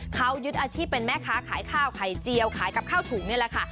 เขายึดอาชีพเป็นแม่ค้าขายข้าวไข่เจียวขายกับข้าวถุงนี่แหละค่ะ